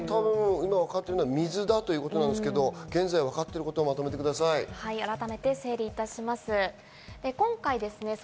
今わかっているのは水だということですけど、現在分かっていることをまとめました。